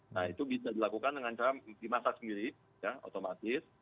nah itu bisa dilakukan dengan cara dimasak sendiri ya otomatis